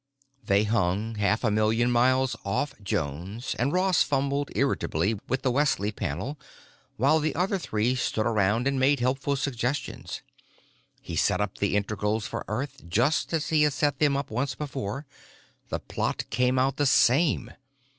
They hung half a million miles off Jones, and Ross fumbled irritatedly with the Wesley panel while the other three stood around and made helpful suggestions. He set up the integrals for Earth just as he had set them up once before; the plot came out the same.